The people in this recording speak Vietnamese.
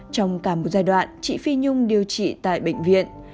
trong cả một giai đoạn chị phi nhung điều trị tại bệnh viện